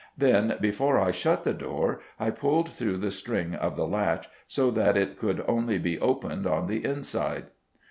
Then, before I shut the door, I pulled through the string of the latch, so that it could only be opened on the inside."